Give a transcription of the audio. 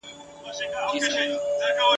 زه چي ماشوم وم په مالت کي به هرچا ویله !.